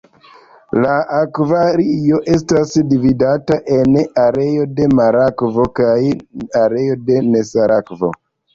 La "akvario" estas dividata en areo de marakvo kaj areo de nesala akvo.